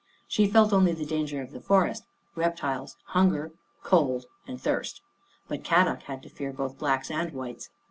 She felt only the danger of the forest, reptiles, hunger, cold and thirst. But Kadok had to fear both Blacks and Whites.